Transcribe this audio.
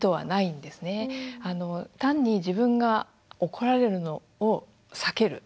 単に自分が怒られるのを避ける